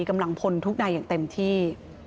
กำลังพลทุกนายอย่างเต็มที่